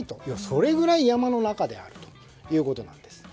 それぐらい山の中であるということなんです。